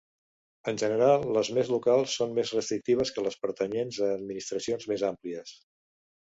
En general, les més locals són més restrictives que les pertanyents a administracions més àmplies.